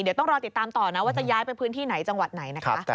เดี๋ยวต้องรอติดตามต่อนะว่าจะย้ายไปพื้นที่ไหนจังหวัดไหนนะคะ